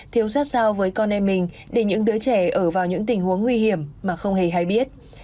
thiếu sát sao với con em mình để những đứa trẻ ở vào những tình huống nguy hiểm mà không hề hay biết